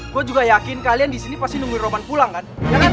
gue juga yakin kalian disini pasti nungguin roman pulang kan